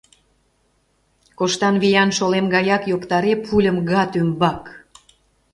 Коштан виян шолем гаяк йоктаре пульым гад ӱмбак!